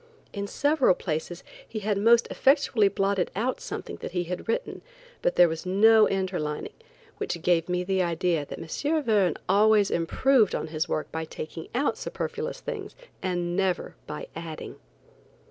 In several places he had most effectually blotted out something that he had written, but there was no interlining, which gave me the idea that M. Verne always improved his work by taking out superfluous things and never by adding.